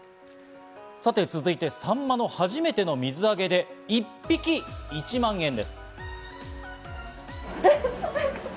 さて続いて、サンマの初めての水揚げで一匹１万円です。